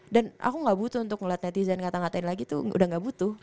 dan aku gak butuh untuk ngeliat netizen ngata ngatain lagi tuh udah gak butuh